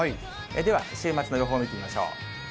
では、週末の予報を見てみましょう。